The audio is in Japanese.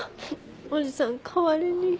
おじさん代わりに。